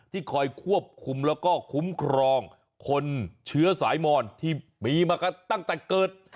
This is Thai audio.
คอยควบคุมแล้วก็คุ้มครองคนเชื้อสายมอนที่มีมาตั้งแต่เกิด